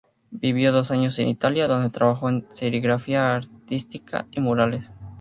Vivió dos años en Italia, donde trabajó en serigrafía artística y murales.